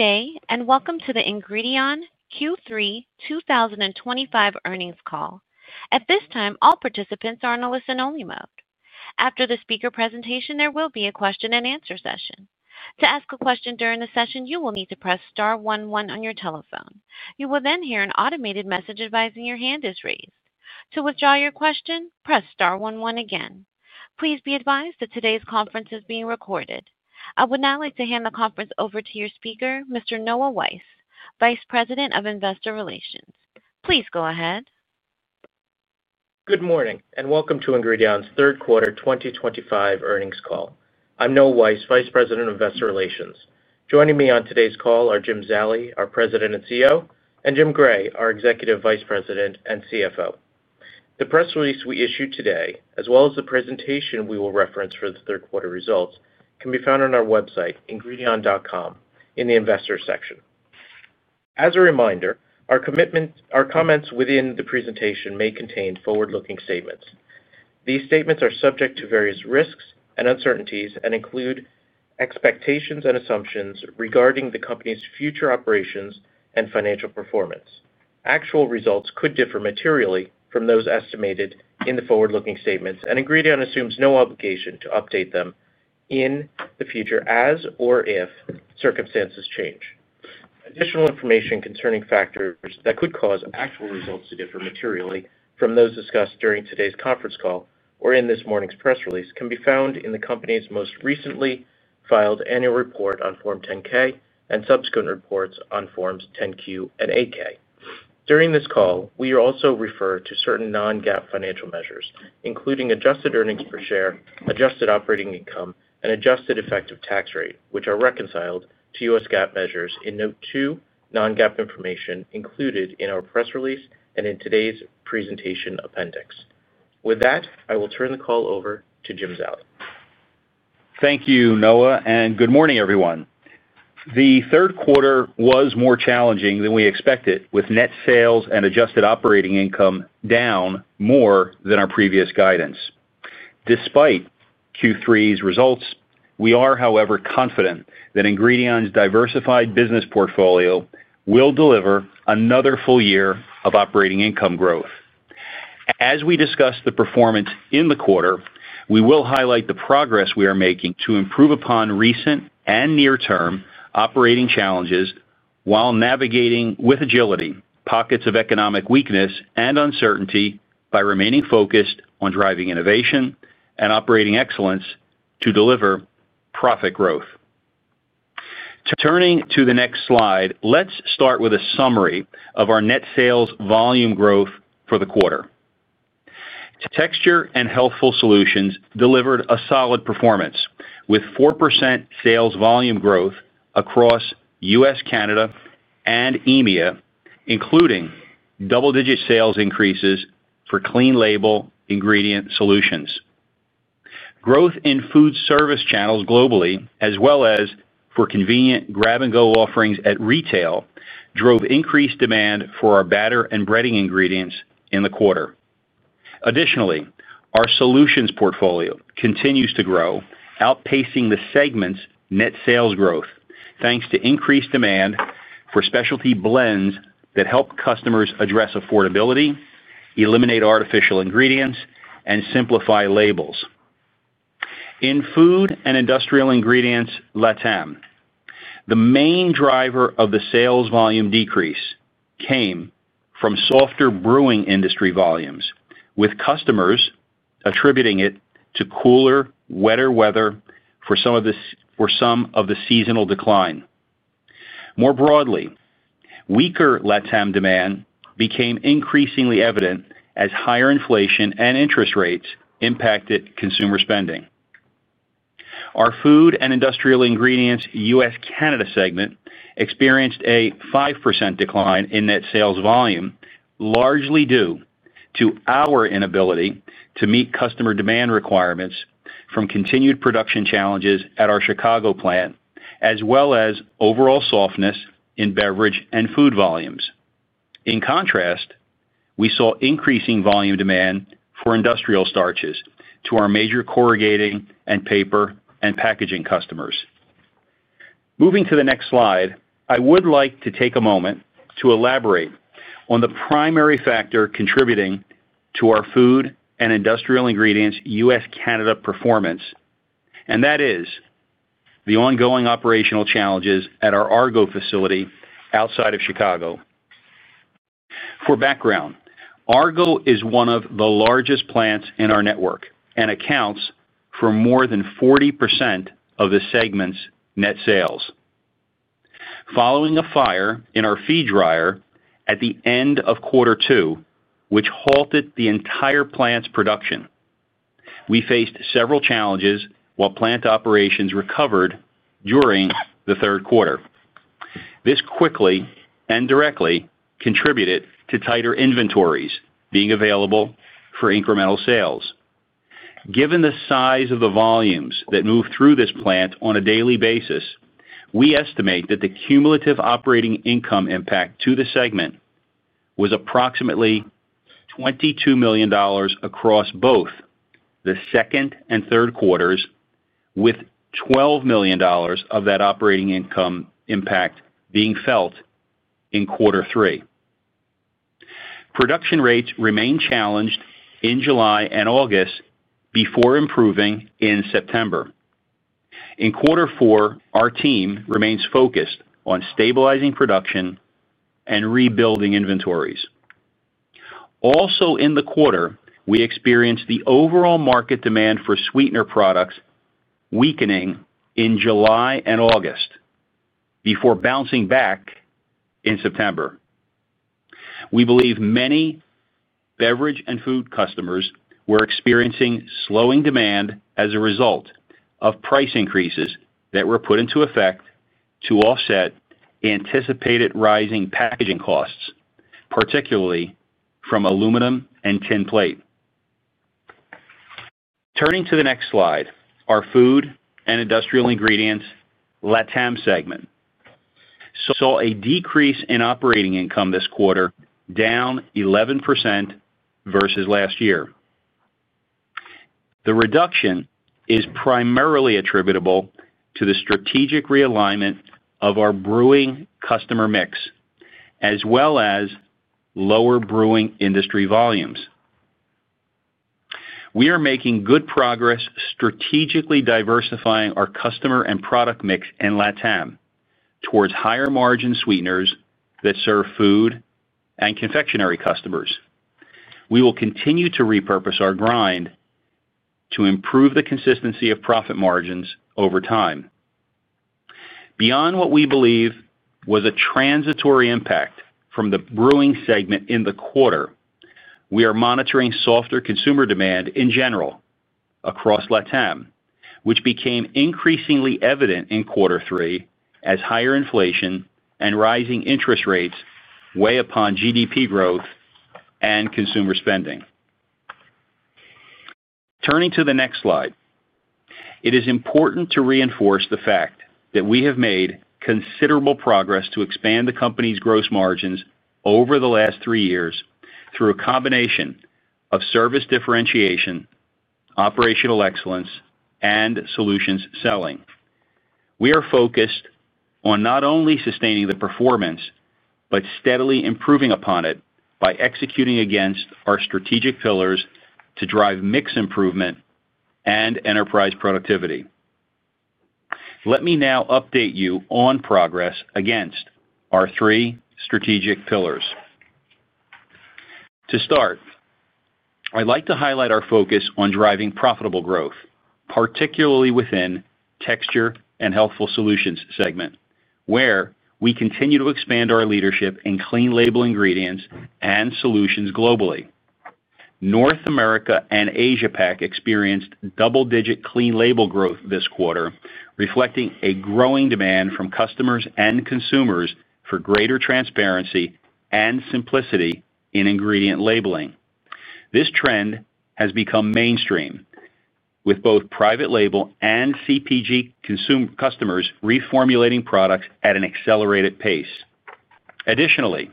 Good day and welcome to the Ingredion Q3 2025 earnings call. At this time, all participants are on a listen-only mode. After the speaker presentation, there will be a question-and-answer session. To ask a question during the session, you will need to press star one one on your telephone. You will then hear an automated message advising your hand is raised. To withdraw your question, press star one one again. Please be advised that today's conference is being recorded. I would now like to hand the conference over to your speaker, Mr. Noah Weiss, Vice President of Investor Relations. Please go ahead. Good morning and welcome to Ingredion's third quarter 2025 earnings call. I'm Noah Weiss, Vice President of Investor Relations. Joining me on today's call are Jim Zallie, our President and CEO, and Jim Gray, our Executive Vice President and CFO. The press release we issued today, as well as the presentation we will reference for the third quarter results, can be found on our website, ingredion.com, in the Investors section. As a reminder, our comments within the presentation may contain forward-looking statements. These statements are subject to various risks and uncertainties and include expectations and assumptions regarding the company's future operations and financial performance. Actual results could differ materially from those estimated in the forward-looking statements, and Ingredion assumes no obligation to update them in the future as or if circumstances change. Additional information concerning factors that could cause actual results to differ materially from those discussed during today's conference call or in this morning's press release can be found in the company's most recently filed annual report on Form 10-K and subsequent reports on Forms 10-Q and 8-K. During this call, we are also referring to certain non-GAAP financial measures, including adjusted earnings per share, adjusted operating income, and adjusted effective tax rate, which are reconciled to U.S. GAAP measures in Note 2 non-GAAP information included in our press release and in today's presentation appendix. With that, I will turn the call over to Jim Zallie. Thank you, Noah, and good morning, everyone. The third quarter was more challenging than we expected, with net sales and adjusted operating income down more than our previous guidance. Despite Q3's results, we are, however, confident that Ingredion's diversified business portfolio will deliver another full year of operating income growth. As we discuss the performance in the quarter, we will highlight the progress we are making to improve upon recent and near-term operating challenges while navigating with agility pockets of economic weakness and uncertainty by remaining focused on driving innovation and operating excellence to deliver profit growth. Turning to the next slide, let's start with a summary of our net sales volume growth for the quarter. Texture & Healthful Solutions delivered a solid performance with 4% sales volume growth across U.S., Canada, and EMEA, including double-digit sales increases for clean-label ingredient solutions. Growth in food service channels globally, as well as for convenient grab-and-go offerings at retail, drove increased demand for our batter and breading ingredients in the quarter. Additionally, our solutions portfolio continues to grow, outpacing the segment's net sales growth thanks to increased demand for specialty blends that help customers address affordability, eliminate artificial ingredients, and simplify labels. In food and industrial ingredients LATAM, the main driver of the sales volume decrease came from softer brewing industry volumes, with customers attributing it to cooler, wetter weather for some of the seasonal decline. More broadly, weaker LATAM demand became increasingly evident as higher inflation and interest rates impacted consumer spending. Our food and industrial ingredients U.S., Canada segment experienced a 5% decline in net sales volume, largely due to our inability to meet customer demand requirements from continued production challenges at our Chicago plant, as well as overall softness in beverage and food volumes. In contrast, we saw increasing volume demand for industrial starches to our major corrugating and paper and packaging customers. Moving to the next slide, I would like to take a moment to elaborate on the primary factor contributing to our food and industrial ingredients U.S., Canada performance, and that is the ongoing operational challenges at our Argo facility outside of Chicago. For background, Argo is one of the largest plants in our network and accounts for more than 40% of the segment's net sales. Following a fire in our feed dryer at the end of quarter two, which halted the entire plant's production, we faced several challenges while plant operations recovered during the third quarter. This quickly and directly contributed to tighter inventories being available for incremental sales. Given the size of the volumes that move through this plant on a daily basis, we estimate that the cumulative operating income impact to the segment was approximately $22 million across both the second and third quarters, with $12 million of that operating income impact being felt in quarter three. Production rates remained challenged in July and August before improving in September. In quarter four, our team remains focused on stabilizing production and rebuilding inventories. Also, in the quarter, we experienced the overall market demand for sweetener products weakening in July and August before bouncing back in September. We believe many beverage and food customers were experiencing slowing demand as a result of price increases that were put into effect to offset anticipated rising packaging costs, particularly from aluminum and tin plate. Turning to the next slide, our Food & Industrial Ingredients LATAM segment saw a decrease in operating income this quarter, down 11% versus last year. The reduction is primarily attributable to the strategic realignment of our brewing customer mix, as well as lower brewing industry volumes. We are making good progress strategically diversifying our customer and product mix in LATAM towards higher margin Sweeteners that serve food and confectionery customers. We will continue to repurpose our grind to improve the consistency of profit margins over time. Beyond what we believe was a transitory impact from the brewing segment in the quarter, we are monitoring softer consumer demand in general across LATAM, which became increasingly evident in quarter three as higher inflation and rising interest rates weigh upon GDP growth and consumer spending. Turning to the next slide, it is important to reinforce the fact that we have made considerable progress to expand the company's gross margins over the last three years through a combination of service differentiation, operational excellence, and solutions selling. We are focused on not only sustaining the performance but steadily improving upon it by executing against our strategic pillars to drive mix improvement and enterprise productivity. Let me now update you on progress against our three strategic pillars. To start, I'd like to highlight our focus on driving profitable growth, particularly within Texture & Healthful Solutions segment, where we continue to expand our leadership in clean-label ingredients and solutions globally. North America and Asia-Pacific experienced double-digit clean-label growth this quarter, reflecting a growing demand from customers and consumers for greater transparency and simplicity in ingredient labeling. This trend has become mainstream, with both private label and CPG customers reformulating products at an accelerated pace. Additionally,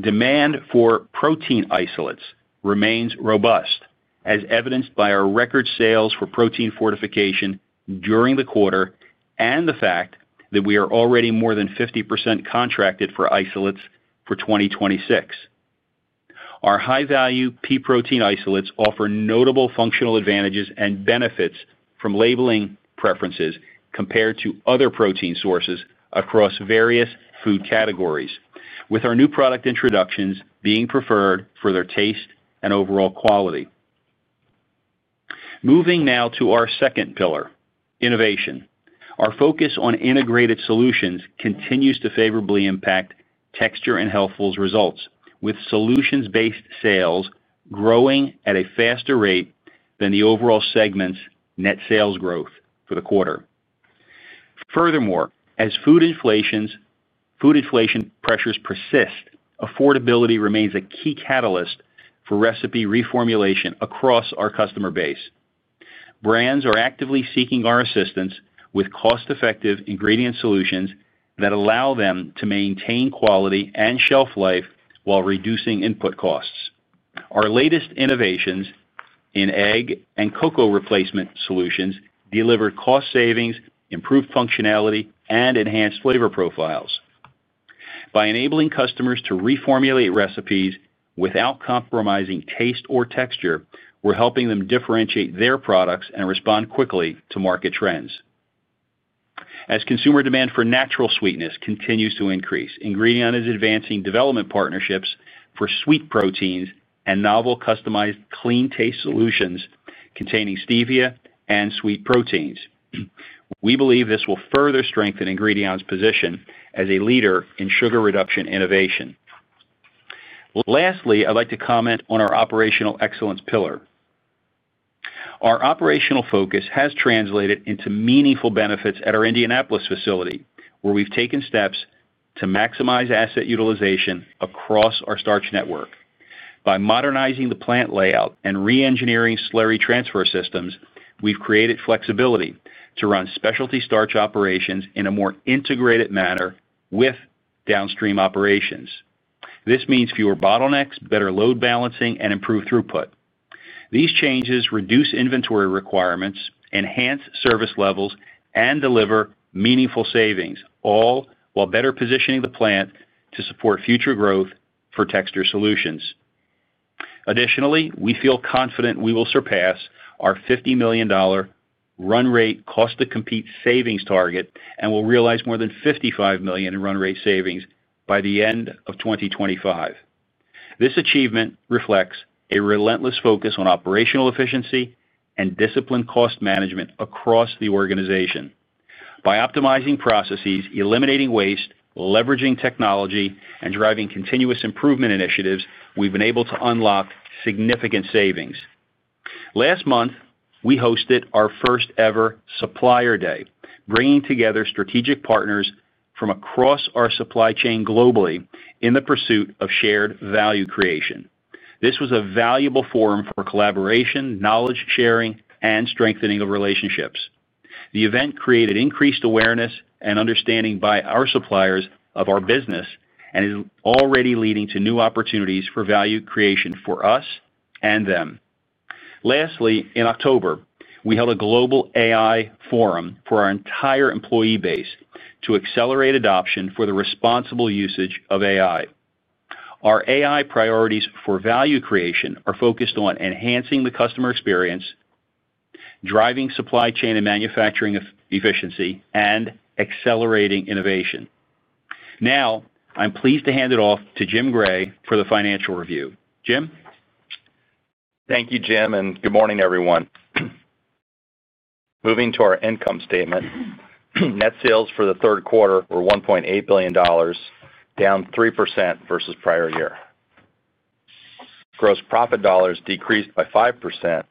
demand for protein isolates remains robust, as evidenced by our record sales for protein fortification during the quarter and the fact that we are already more than 50% contracted for isolates for 2026. Our high-value pea protein isolates offer notable functional advantages and benefits from labeling preferences compared to other protein sources across various food categories, with our new product introductions being preferred for their taste and overall quality. Moving now to our second pillar, innovation, our focus on integrated solutions continues to favorably impact Texture & Healthful's results, with solutions-based sales growing at a faster rate than the overall segment's net sales growth for the quarter. Furthermore, as food inflation pressures persist, affordability remains a key catalyst for recipe reformulation across our customer base. Brands are actively seeking our assistance with cost-effective ingredient solutions that allow them to maintain quality and shelf life while reducing input costs. Our latest innovations in egg and cocoa replacement solutions deliver cost savings, improved functionality, and enhanced flavor profiles. By enabling customers to reformulate recipes without compromising taste or texture, we're helping them differentiate their products and respond quickly to market trends. As consumer demand for natural sweetness continues to increase, Ingredion is advancing development partnerships for sweet proteins and novel customized clean taste solutions containing stevia and sweet proteins. We believe this will further strengthen Ingredion's position as a leader in sugar reduction innovation. Lastly, I'd like to comment on our operational excellence pillar. Our operational focus has translated into meaningful benefits at our Indianapolis facility, where we've taken steps to maximize asset utilization across our starch network. By modernizing the plant layout and re-engineering slurry transfer systems, we've created flexibility to run specialty starch operations in a more integrated manner with downstream operations. This means fewer bottlenecks, better load balancing, and improved throughput. These changes reduce inventory requirements, enhance service levels, and deliver meaningful savings, all while better positioning the plant to support future growth for Texture Solutions. Additionally, we feel confident we will surpass our $50 million run-rate cost-to-compete savings target and will realize more than $55 million in run-rate savings by the end of 2025. This achievement reflects a relentless focus on operational efficiency and disciplined cost management across the organization. By optimizing processes, eliminating waste, leveraging technology, and driving continuous improvement initiatives, we've been able to unlock significant savings. Last month, we hosted our first-ever Supplier Day, bringing together strategic partners from across our supply chain globally in the pursuit of shared value creation. This was a valuable forum for collaboration, knowledge sharing, and strengthening of relationships. The event created increased awareness and understanding by our suppliers of our business and is already leading to new opportunities for value creation for us and them. Lastly, in October, we held a global AI forum for our entire employee base to accelerate adoption for the responsible usage of AI. Our AI priorities for value creation are focused on enhancing the customer experience. Driving supply chain and manufacturing efficiency, and accelerating innovation. Now, I'm pleased to hand it off to Jim Gray for the financial review. Jim. Thank you, Jim, and good morning, everyone. Moving to our income statement. Net sales for the third quarter were $1.8 billion. Down 3% versus prior year. Gross profit dollars decreased by 5%,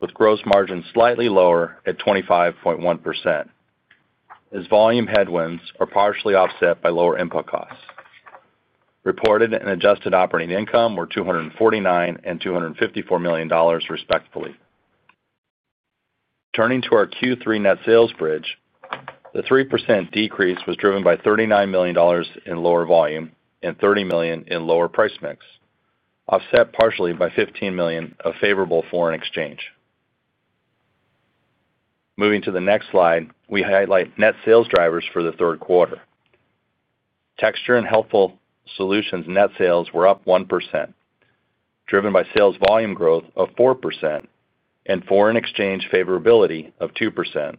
with gross margins slightly lower at 25.1%. As volume headwinds are partially offset by lower input costs. Reported and adjusted operating income were $249 million and $254 million, respectively. Turning to our Q3 net sales bridge, the 3% decrease was driven by $39 million in lower volume and $30 million in lower price mix, offset partially by $15 million of favorable foreign exchange. Moving to the next slide, we highlight net sales drivers for the third quarter. Texture & Healthful Solutions net sales were up 1%. Driven by sales volume growth of 4%. And foreign exchange favorability of 2%,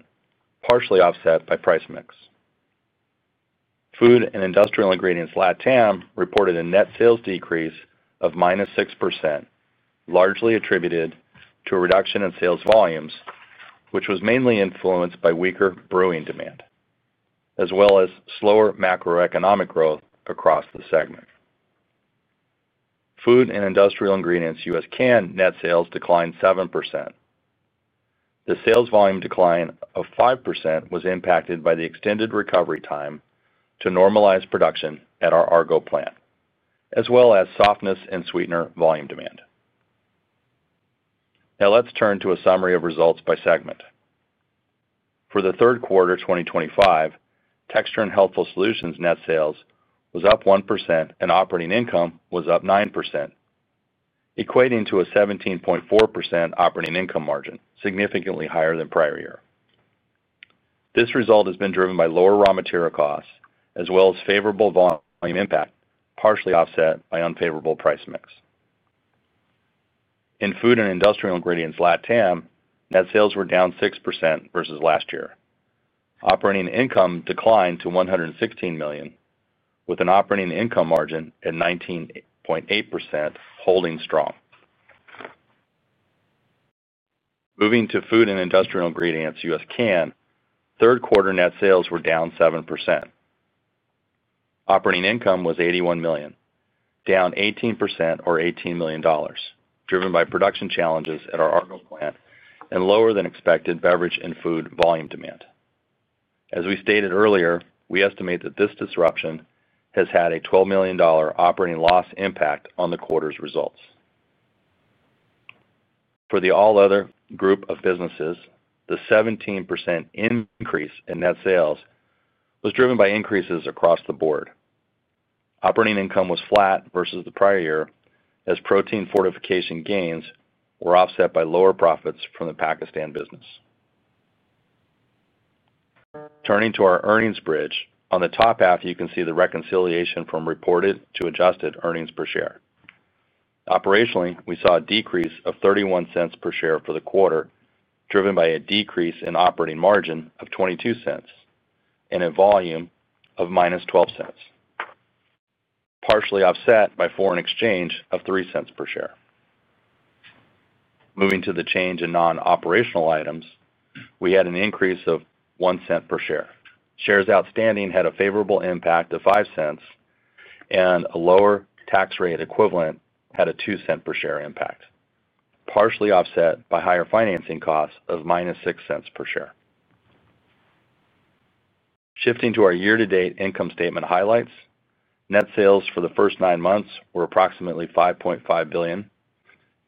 partially offset by price mix. Food & Industrial Ingredients LATAM reported a net sales decrease of -6%. Largely attributed to a reduction in sales volumes, which was mainly influenced by weaker brewing demand, as well as slower macroeconomic growth across the segment. Food and Industrial Ingredients U.S./Canada net sales declined 7%. The sales volume decline of 5% was impacted by the extended recovery time to normalize production at our Argo plant, as well as softness in sweetener volume demand. Now, let's turn to a summary of results by segment. For the third quarter 2025, Texture & Healthful Solutions net sales was up 1% and operating income was up 9%. Equating to a 17.4% operating income margin, significantly higher than prior year. This result has been driven by lower raw material costs, as well as favorable volume impact, partially offset by unfavorable price mix. In Food & Industrial Ingredients LATAM, net sales were down 6% versus last year. Operating income declined to $116 million, with an operating income margin at 19.8%, holding strong. Moving to Food and Industrial Ingredients U.S./Canada, third quarter net sales were down 7%. Operating income was $81 million, down 18%, or $18 million, driven by production challenges at our Argo plant and lower than expected beverage and food volume demand. As we stated earlier, we estimate that this disruption has had a $12 million operating loss impact on the quarter's results. For the all-other group of businesses, the 17% increase in net sales was driven by increases across the board. Operating income was flat versus the prior year, as protein fortification gains were offset by lower profits from the Pakistan business. Turning to our earnings bridge, on the top half, you can see the reconciliation from reported to adjusted earnings per share. Operationally, we saw a decrease of $0.31 per share for the quarter, driven by a decrease in operating margin of $0.22. And a volume of -$0.12. Partially offset by foreign exchange of $0.03 per share. Moving to the change in non-operational items, we had an increase of $0.01 per share. Shares outstanding had a favorable impact of $0.05. And a lower tax rate equivalent had a $0.02 per share impact, partially offset by higher financing costs of -$0.06 per share. Shifting to our year-to-date income statement highlights, net sales for the first nine months were approximately $5.5 billion,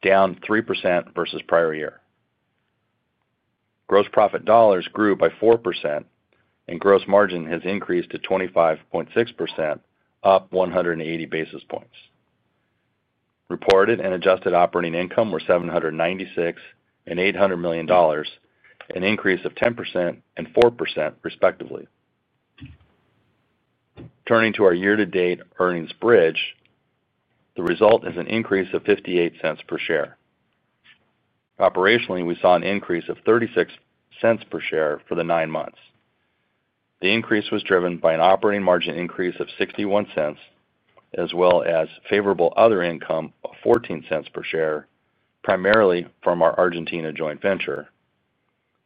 down 3% versus prior year. Gross profit dollars grew by 4%, and gross margin has increased to 25.6%, up 180 basis points. Reported and adjusted operating income were $796 million and $800 million, an increase of 10% and 4%, respectively. Turning to our year-to-date earnings bridge. The result is an increase of $0.58 per share. Operationally, we saw an increase of $0.36 per share for the nine months. The increase was driven by an operating margin increase of $0.61. As well as favorable other income of $0.14 per share, primarily from our Argentina joint venture.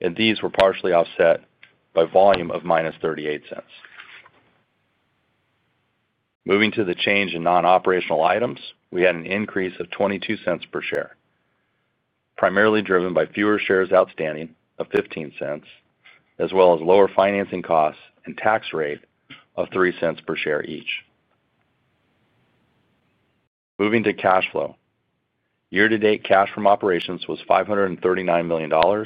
And these were partially offset by volume of -$0.38. Moving to the change in non-operational items, we had an increase of $0.22 per share. Primarily driven by fewer shares outstanding of $0.15, as well as lower financing costs and tax rate of $0.03 per share each. Moving to cash flow. Year-to-date cash from operations was $539 million,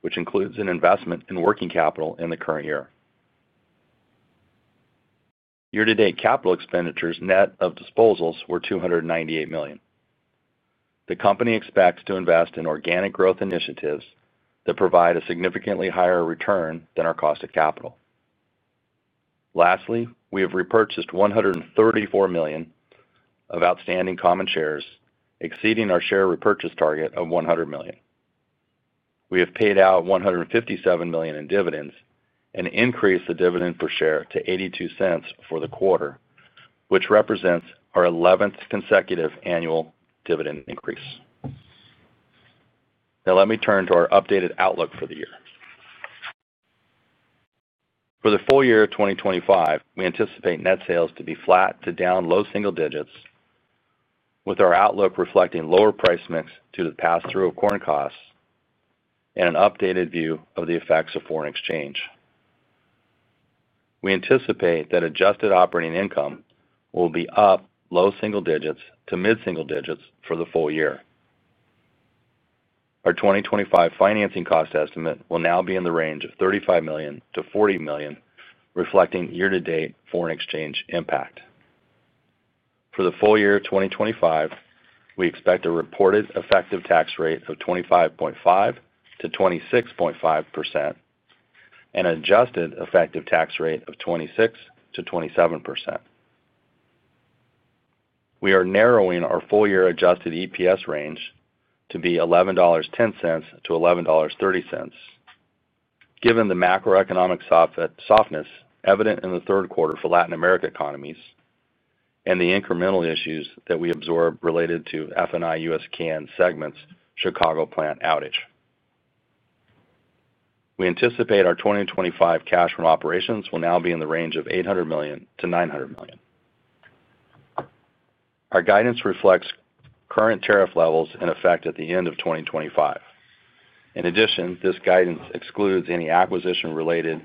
which includes an investment in working capital in the current year. Year-to-date capital expenditures net of disposals were $298 million. The company expects to invest in organic growth initiatives that provide a significantly higher return than our cost of capital. Lastly, we have repurchased $134 million of outstanding common shares, exceeding our share repurchase target of $100 million. We have paid out $157 million in dividends and increased the dividend per share to $0.82 for the quarter, which represents our 11th consecutive annual dividend increase. Now, let me turn to our updated outlook for the year. For the full year of 2025, we anticipate net sales to be flat to down low single digits, with our outlook reflecting lower price mix due to the pass-through of corn costs. And an updated view of the effects of foreign exchange. We anticipate that adjusted operating income will be up low single digits to mid-single digits for the full year. Our 2025 financing cost estimate will now be in the range of $35 million-$40 million, reflecting year-to-date foreign exchange impact. For the full year of 2025, we expect a reported effective tax rate of 25.5%-26.5%. And an adjusted effective tax rate of 26%-27%. We are narrowing our full year Adjusted EPS range to be $11.10-$11.30. Given the macroeconomic softness evident in the third quarter for Latin American economies and the incremental issues that we absorbed related to F&I U.S. canned segments Chicago plant outage. We anticipate our 2025 cash from operations will now be in the range of $800 million-$900 million. Our guidance reflects current tariff levels in effect at the end of 2025. In addition, this guidance excludes any acquisition-related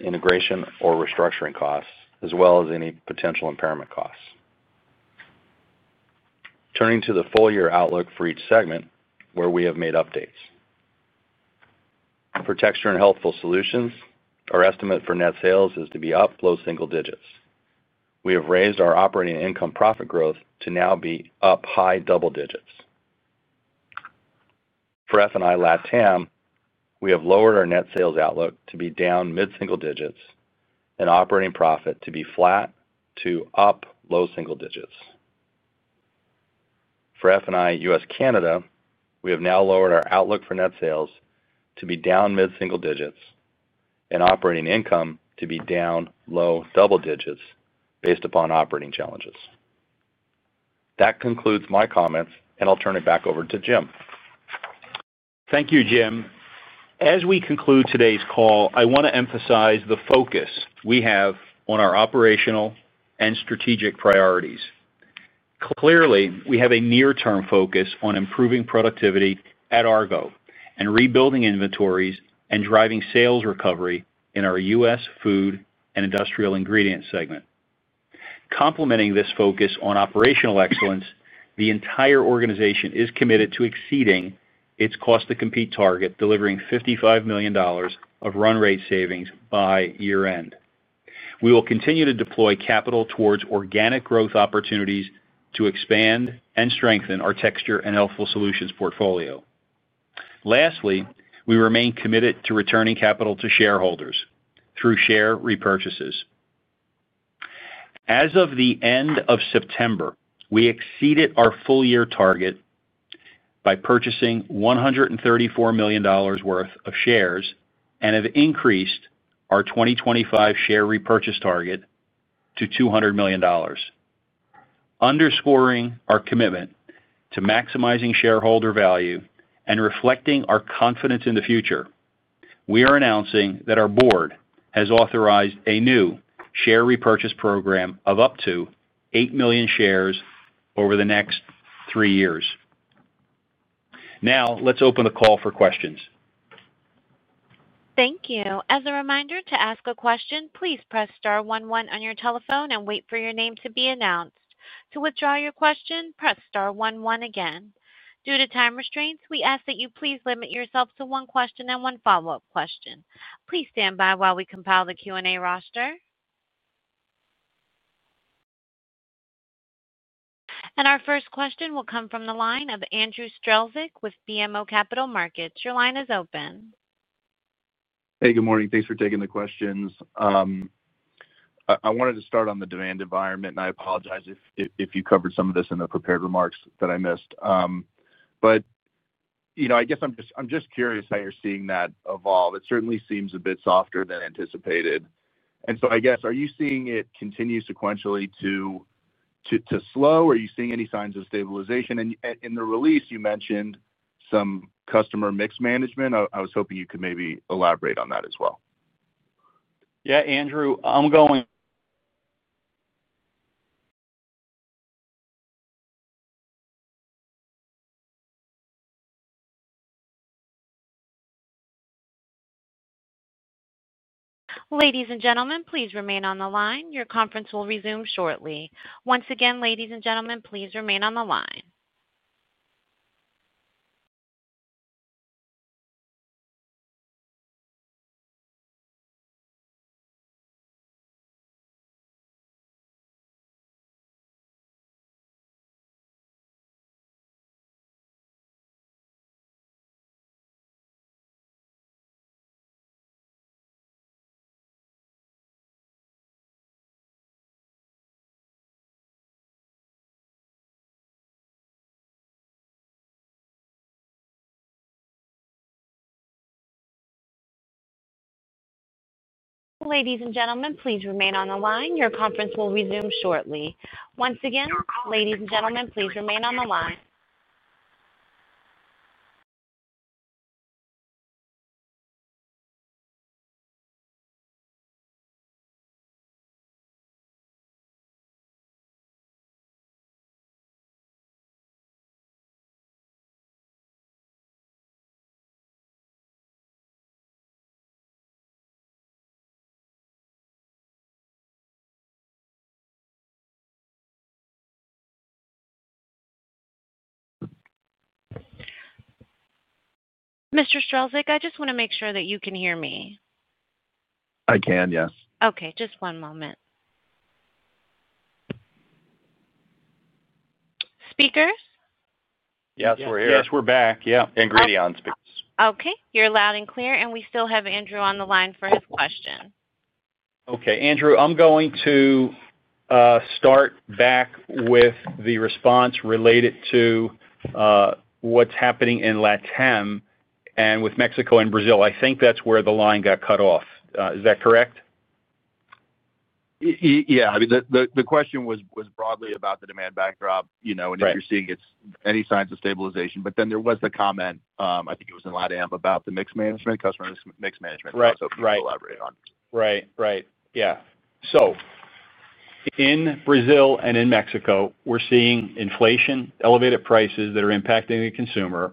integration or restructuring costs, as well as any potential impairment costs. Turning to the full year outlook for each segment, where we have made updates. For Texture & Healthful Solutions, our estimate for net sales is to be up low single digits. We have raised our operating income profit growth to now be up high double digits. For F&I LATAM, we have lowered our net sales outlook to be down mid-single digits and operating profit to be flat to up low single digits. For F&I U.S. Canada, we have now lowered our outlook for net sales to be down mid-single digits and operating income to be down low double digits based upon operating challenges. That concludes my comments, and I'll turn it back over to Jim. Thank you, Jim. As we conclude today's call, I want to emphasize the focus we have on our operational and strategic priorities. Clearly, we have a near-term focus on improving productivity at Argo and rebuilding inventories and driving sales recovery in our U.S. Food & Industrial Ingredients segment. Complementing this focus on operational excellence, the entire organization is committed to exceeding its cost-to-compete target, delivering $55 million of run-rate savings by year-end. We will continue to deploy capital towards organic growth opportunities to expand and strengthen our Texture & Healthful Solutions portfolio. Lastly, we remain committed to returning capital to shareholders through share repurchases. As of the end of September, we exceeded our full year target by purchasing $134 million worth of shares and have increased our 2025 share repurchase target to $200 million. Underscoring our commitment to maximizing shareholder value and reflecting our confidence in the future, we are announcing that our board has authorized a new share repurchase program of up to eight million shares over the next three years. Now, let's open the call for questions. Thank you. As a reminder, to ask a question, please press star one one on your telephone and wait for your name to be announced. To withdraw your question, press star one one again. Due to time restraints, we ask that you please limit yourself to one question and one follow-up question. Please stand by while we compile the Q&A roster. And our first question will come from the line of Andrew Strelzik with BMO Capital Markets. Your line is open. Hey, good morning. Thanks for taking the questions. I wanted to start on the demand environment, and I apologize if you covered some of this in the prepared remarks that I missed. But. I guess I'm just curious how you're seeing that evolve. It certainly seems a bit softer than anticipated. And so I guess, are you seeing it continue sequentially to slow? Are you seeing any signs of stabilization? And in the release, you mentioned some customer mix management. I was hoping you could maybe elaborate on that as well. Yeah, Andrew, I'm going. Ladies and gentlemen, please remain on the line. Your conference will resume shortly. Once again, ladies and gentlemen, please remain on the line. Ladies and gentlemen, please remain on the line. Your conference will resume shortly. Once again, ladies and gentlemen, please remain on the line. Mr. Strelzik, I just want to make sure that you can hear me. I can, yes. Okay, just one moment. Speakers? Yes, we're here. Yes, we're back. Yeah. Ingredion speakers. Okay. You're loud and clear, and we still have Andrew on the line for his question. Okay. Andrew, I'm going to start back with the response related to what's happening in LATAM and with Mexico and Brazil. I think that's where the line got cut off. Is that correct? Yeah. I mean, the question was broadly about the demand backdrop and if you're seeing any signs of stabilization. But then there was the comment, I think it was in LATAM, about the mix management, customer mix management, so please elaborate on it. Right. Right. Yeah, so in Brazil and in Mexico, we're seeing inflation, elevated prices that are impacting the consumer.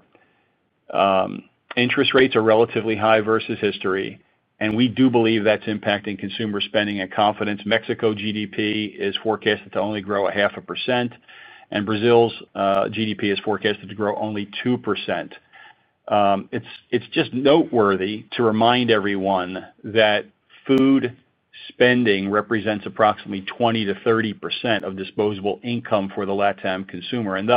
Interest rates are relatively high versus history, and we do believe that's impacting consumer spending and confidence. Mexico's GDP is forecasted to only grow 0.5%, and Brazil's GDP is forecasted to grow only 2%. It's just noteworthy to remind everyone that food spending represents approximately 20%-30% of disposable income for the LATAM consumer. And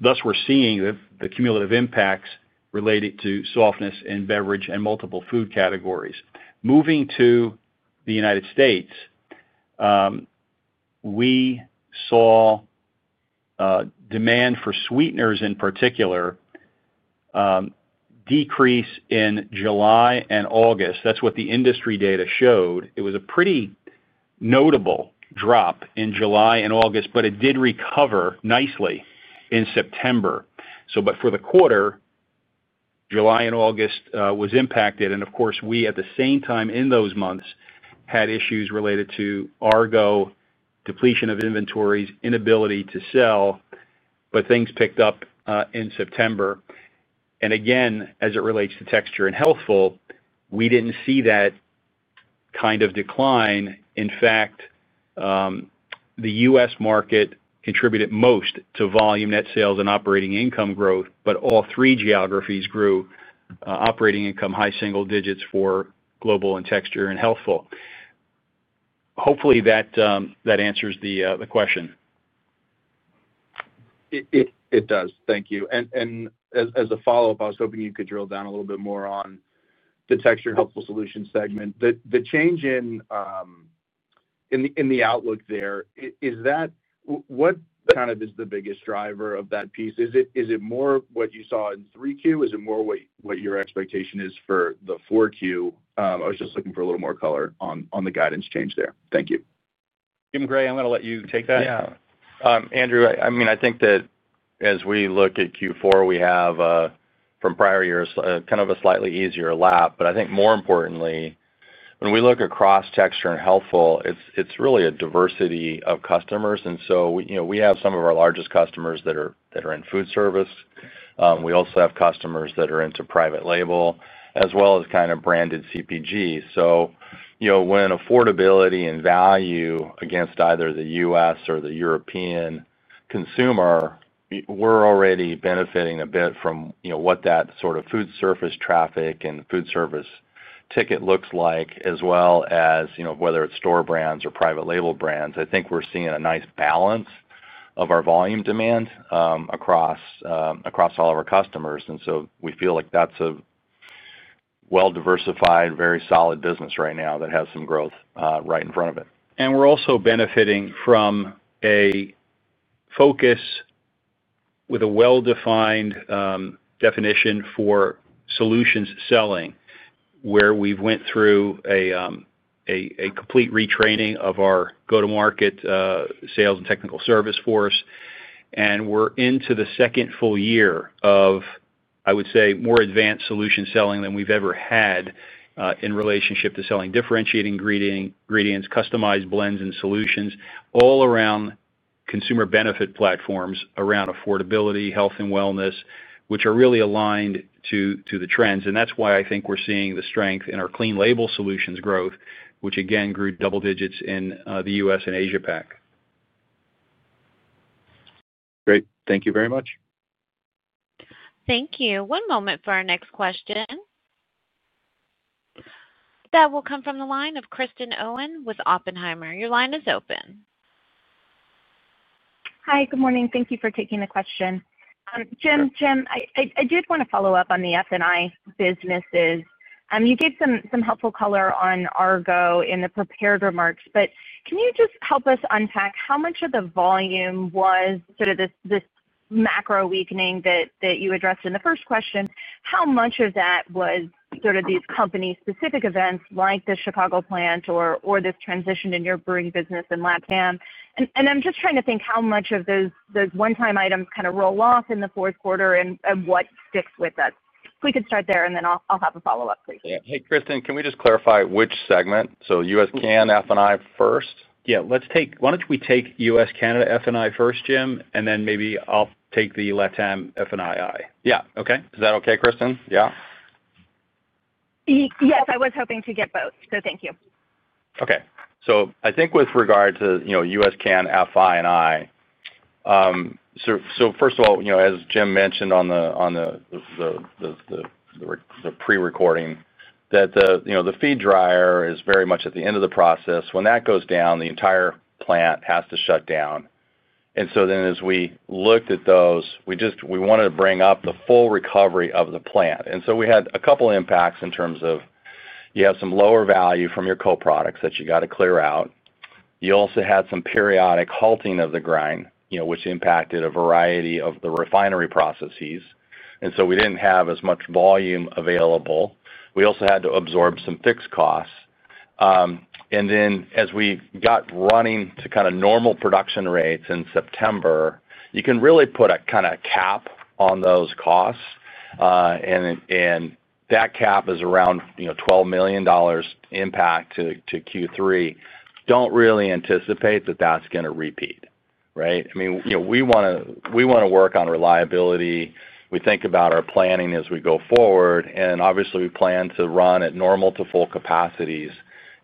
thus we're seeing the cumulative impacts related to softness in beverage and multiple food categories. Moving to the United States, we saw demand for Sweeteners in particular decrease in July and August. That's what the industry data showed. It was a pretty notable drop in July and August, but it did recover nicely in September. But for the quarter, July and August was impacted. And of course, we at the same time in those months had issues related to Argo, depletion of inventories, inability to sell, but things picked up in September. And again, as it relates to Texture & Healthful, we didn't see that kind of decline. In fact, the U.S. market contributed most to volume net sales and operating income growth, but all three geographies grew operating income high single digits for global and Texture & Healthful. Hopefully, that answers the question. It does. Thank you. And as a follow-up, I was hoping you could drill down a little bit more on the Texture & Healthful Solutions segment. The change in the outlook there, is that what kind of is the biggest driver of that piece? Is it more what you saw in 3Q? Is it more what your expectation is for the 4Q? I was just looking for a little more color on the guidance change there. Thank you. Jim Gray, I'm going to let you take that. Yeah. Andrew, I mean, I think that as we look at Q4, we have from prior years kind of a slightly easier lap. But I think more importantly, when we look across Texture & Healthful, it's really a diversity of customers. And so we have some of our largest customers that are in food service. We also have customers that are into private label, as well as kind of branded CPG. So when affordability and value against either the U.S. or the European consumer, we're already benefiting a bit from what that sort of food service traffic and food service ticket looks like, as well as whether it's store brands or private label brands. I think we're seeing a nice balance of our volume demand across all of our customers. And so we feel like that's a well-diversified, very solid business right now that has some growth right in front of it. And we're also benefiting from a focus with a well-defined definition for solutions selling, where we went through a complete retraining of our go-to-market sales and technical service force. And we're into the second full year of. I would say, more advanced solution selling than we've ever had. In relationship to selling differentiating ingredients, customized blends, and solutions all around. Consumer benefit platforms around affordability, health, and wellness, which are really aligned to the trends. And that's why I think we're seeing the strength in our clean label solutions growth, which again grew double digits in the U.S. and Asia-Pacific. Great. Thank you very much. Thank you. One moment for our next question. That will come from the line of Kristen Owen with Oppenheimer. Your line is open. Hi. Good morning. Thank you for taking the question. Jim, Jim, I did want to follow up on the F&I businesses. You gave some helpful color on Argo in the prepared remarks, but can you just help us unpack how much of the volume was sort of this macro weakening that you addressed in the first question? How much of that was sort of these company-specific events like the Chicago plant or this transition in your brewing business in LATAM? And I'm just trying to think how much of those one-time items kind of roll off in the fourth quarter and what sticks with us. If we could start there, and then I'll have a follow-up, please. Yeah. Hey, Kristen, can we just clarify which segment? So U.S. Can, F&I first? Yeah. Why don't we take U.S. Canada F&I first, Jim, and then maybe I'll take the LATAM F&I? Yeah. Okay. Is that okay, Kristen? Yeah? Yes. I was hoping to get both. So thank you. Okay. So I think with regard to U.S. Can, F&I. So first of all, as Jim mentioned on the. Pre-recording, that the feed dryer is very much at the end of the process. When that goes down, the entire plant has to shut down. And so then as we looked at those, we wanted to bring up the full recovery of the plant. And so we had a couple of impacts in terms of. You have some lower value from your co-products that you got to clear out. You also had some periodic halting of the grind, which impacted a variety of the refinery processes. And so we didn't have as much volume available. We also had to absorb some fixed costs. And then as we got running to kind of normal production rates in September, you can really put a kind of cap on those costs. And that cap is around $12 million. Impact to Q3. Don't really anticipate that that's going to repeat, right? I mean, we want to work on reliability. We think about our planning as we go forward. And obviously, we plan to run at normal to full capacities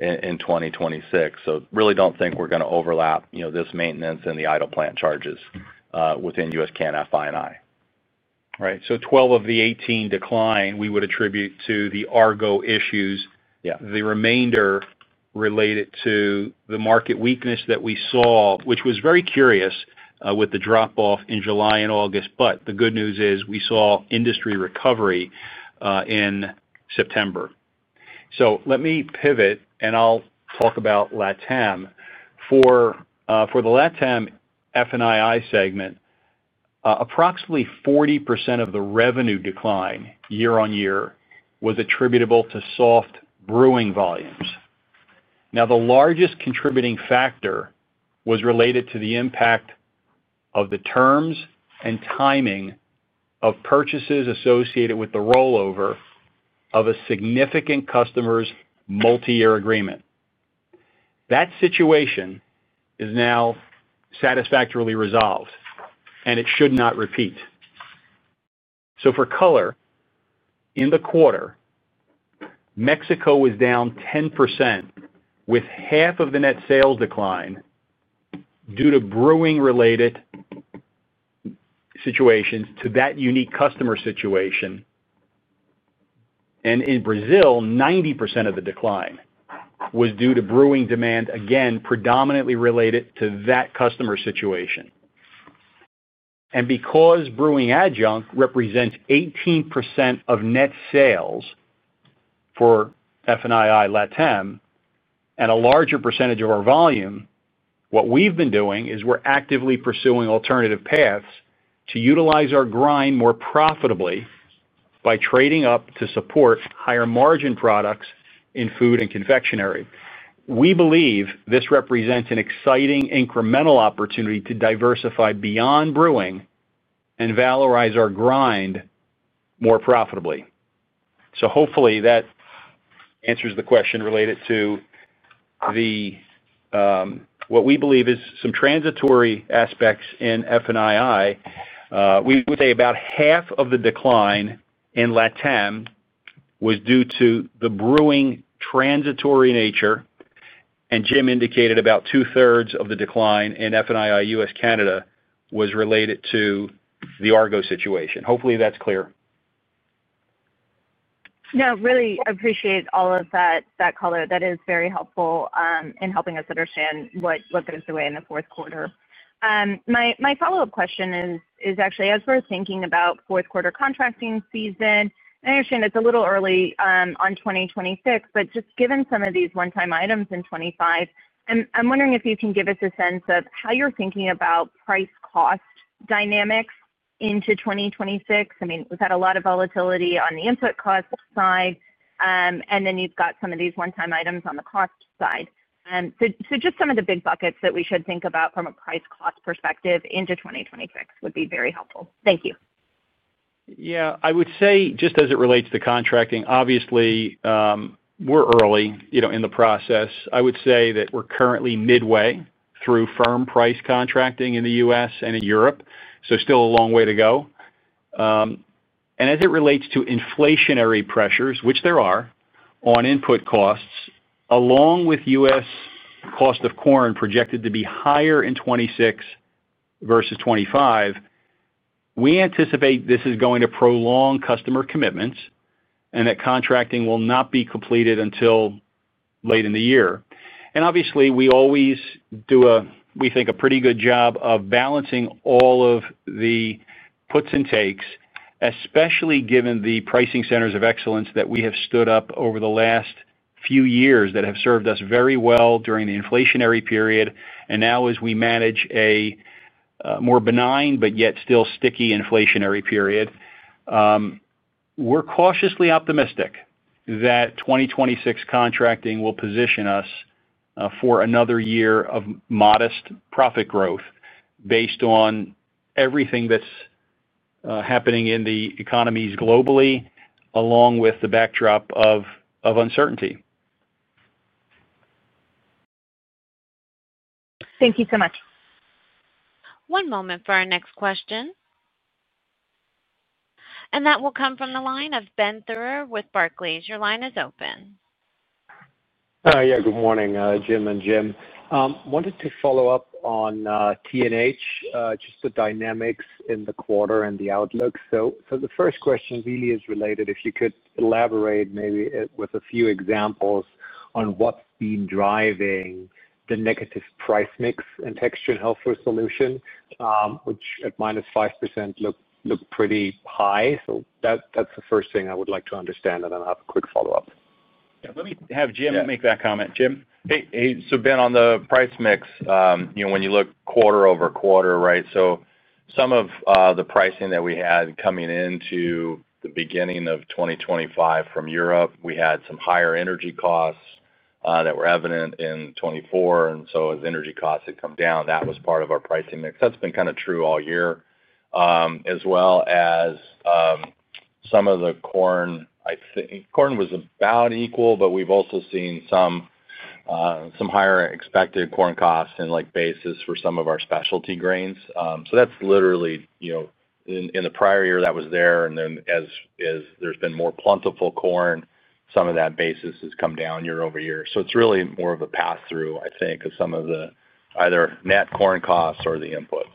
in 2026. So really don't think we're going to overlap this maintenance and the idle plant charges within U.S. Can, F&I. Right. So 12 of the 18 decline, we would attribute to the Argo issues. The remainder related to the market weakness that we saw, which was very curious with the drop-off in July and August. But the good news is we saw industry recovery in September. So let me pivot, and I'll talk about LATAM. For the LATAM F&I segment, approximately 40% of the revenue decline year-on-year was attributable to soft brewing volumes. Now, the largest contributing factor was related to the impact of the terms and timing of purchases associated with the rollover of a significant customer's multi-year agreement. That situation is now satisfactorily resolved, and it should not repeat. So for color in the quarter, Mexico was down 10% with half of the net sales decline due to brewing-related situations to that unique customer situation. And in Brazil, 90% of the decline was due to brewing demand, again, predominantly related to that customer situation. And because brewing adjunct represents 18% of net sales for F&I LATAM and a larger percentage of our volume, what we've been doing is we're actively pursuing alternative paths to utilize our grind more profitably by trading up to support higher margin products in food and confectionery. We believe this represents an exciting incremental opportunity to diversify beyond brewing and valorize our grind more profitably. So hopefully that answers the question related to what we believe is some transitory aspects in F&I. We would say about half of the decline in LATAM was due to the brewing transitory nature. And Jim indicated about two-thirds of the decline in F&I U.S. Canada was related to the Argo situation. Hopefully, that's clear. No, I really appreciate all of that color. That is very helpful in helping us understand what goes away in the fourth quarter. My follow-up question is actually, as we're thinking about fourth-quarter contracting season, I understand it's a little early on 2026, but just given some of these one-time items in 2025, I'm wondering if you can give us a sense of how you're thinking about price-cost dynamics into 2026. I mean, we've had a lot of volatility on the input cost side, and then you've got some of these one-time items on the cost side. So just some of the big buckets that we should think about from a price-cost perspective into 2026 would be very helpful. Thank you. Yeah. I would say just as it relates to contracting, obviously we're early in the process. I would say that we're currently midway through firm price contracting in the U.S. and in Europe, so still a long way to go. And as it relates to inflationary pressures, which there are on input costs, along with U.S. cost of corn projected to be higher in 2026 versus 2025, we anticipate this is going to prolong customer commitments and that contracting will not be completed until late in the year. And obviously, we always do a, we think, a pretty good job of balancing all of the. Puts and takes, especially given the pricing centers of excellence that we have stood up over the last few years that have served us very well during the inflationary period. And now, as we manage a more benign but yet still sticky inflationary period, we're cautiously optimistic that 2026 contracting will position us for another year of modest profit growth based on everything that's happening in the economies globally, along with the backdrop of uncertainty. Thank you so much. \One moment for our next question. And that will come from the line of Ben Thuer with Barclays. Your line is open. Yeah. Good morning, Jim and Jim. Wanted to follow up on T&H, just the dynamics in the quarter and the outlook. So the first question really is related, if you could elaborate maybe with a few examples on what's been driving the negative price mix in Texture & Healthful Solutions, which at -5% looked pretty high. So that's the first thing I would like to understand, and then I'll have a quick follow-up. Yeah. Let me have Jim make that comment. Jim? So Ben, on the price mix, when you look quarter-over-quarter, right, so some of the pricing that we had coming into the beginning of 2025 from Europe, we had some higher energy costs that were evident in 2024. And so as energy costs had come down, that was part of our pricing. That's been kind of true all year, as well as some of the corn. I think corn was about equal, but we've also seen some higher expected corn costs and basis for some of our specialty grains. So that's literally in the prior year that was there. And then as there's been more plentiful corn, some of that basis has come down year-over-year. So it's really more of a pass-through, I think, of some of the either net corn costs or the inputs.